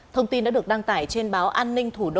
thông tin đã được đăng tải trên báo an ninh thủ đô